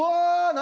何？